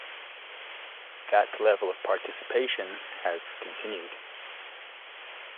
That level of participation has continued.